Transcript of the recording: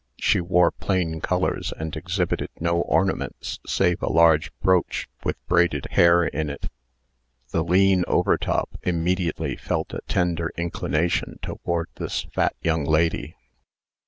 She wore plain colors, and exhibited no ornaments save a large brooch with braided hair in it. The lean Overtop immediately felt a tender inclination toward this fat young lady.